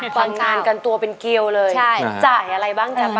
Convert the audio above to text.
ฟังงานกันตัวเป็นเกียวเลยจ่ายอะไรบ้างจ๊ะ